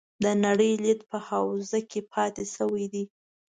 د نړۍ لید په حوزه کې پاتې شوي دي.